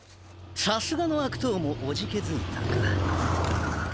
さすがの悪党もおじけづいたか。